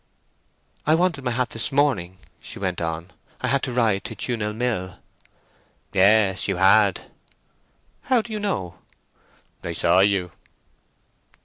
"I wanted my hat this morning," she went on. "I had to ride to Tewnell Mill." "Yes you had." "How do you know?" "I saw you."